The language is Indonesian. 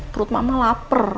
perut mama lapar